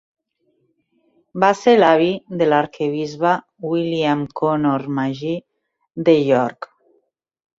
Va ser l'avi de l'arquebisbe William Connor Magee de York.